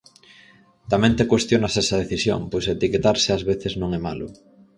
Tamén te cuestionas esa decisión, pois etiquetarse ás veces non é malo.